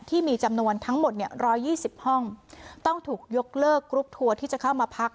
ที่มีจำนวนทั้งหมดเนี่ย๑๒๐ห้องต้องถูกยกเลิกกรุ๊ปทัวร์ที่จะเข้ามาพัก